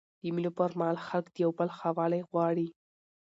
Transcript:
د مېلو پر مهال خلک د یو بل ښه والی غواړي.